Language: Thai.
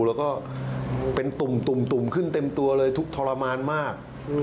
แล้วก็เป็นตุ่มขึ้นเต็มตัวเลยทุกข์ทรมานมาก